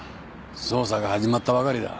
捜査が始まったばかりだ。